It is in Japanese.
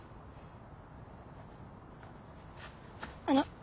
あの。